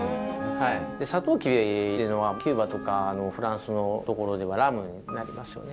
サトウキビっていうのはキューバとかフランスの所ではラムになりますよね。